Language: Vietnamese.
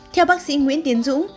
theo bác sĩ nguyễn tiến dũng